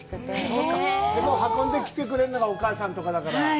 そうか、運んできてくれるのが、お母さんとかだから。